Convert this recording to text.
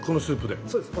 そうです。